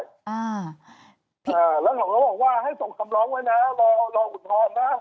แล้วผมก็บอกว่าให้ส่งคำร้องไว้นะรออุดทรณ์นะ